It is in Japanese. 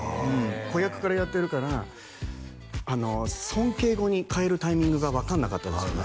子役からやってるから尊敬語に変えるタイミングが分かんなかったですよね